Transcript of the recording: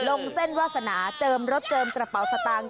ลงเส้นวาสนาเจิมรถเจิมกระเป๋าสตางค์